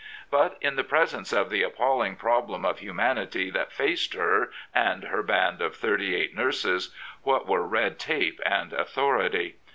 But in the presence of the appalling problem of humanity that faced her and her band of thirty eight nurses, what were red tape and authority?